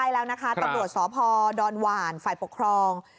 ศพของพระปราตรีของดอนหวานฝ่ายปกครอง